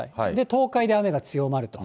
東海で雨が強まると。